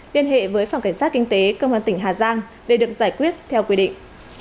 liên hệ với phòng cảnh sát kinh tế công an tỉnh hà giang để được giải quyết theo quy định